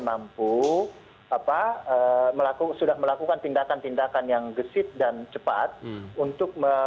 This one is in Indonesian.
jadi sudah pipitkan itu